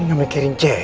ini gak mikirin ceri apa